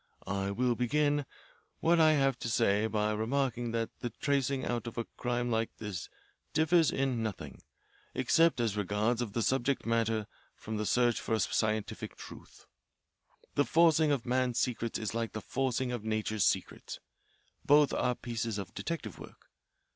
I will begin what I have to say by remarking that the tracing out of a crime like this differs in nothing, except as regards the subject matter, from the search for a scientific truth. The forcing of man's secrets is like the forcing of nature's secrets. Both are pieces of detective work.